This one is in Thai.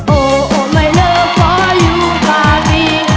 โอ้โอ้ไม่เลิกเพราะอยู่ป่าดี